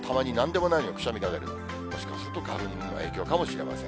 もしかすると、花粉の影響かもしれません。